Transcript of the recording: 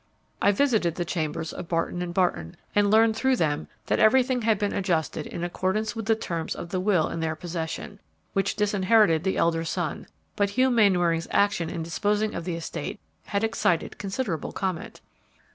"I visited the chambers of Barton & Barton, and learned through them that everything had been adjusted in accordance with the terms of the will in their possession, which disinherited the elder son; but Hugh Mainwaring's action in disposing of the estate had excited considerable comment.